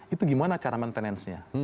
itu gimana cara maintenance nya